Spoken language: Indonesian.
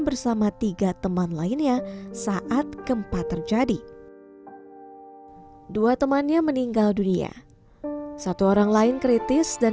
bersama tiga teman lainnya saat gempa terjadi dua temannya meninggal dunia satu orang lain kritis dan